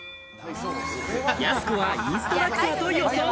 やす子はインストラクターと予想。